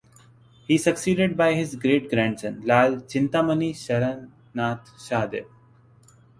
He succeeded by his great grandson Lal Chintamani Sharan Nath Shahdeo.